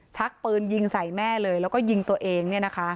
ชักปืนยิงใส่แม่เลยแล้วก็ยิงตัวเอง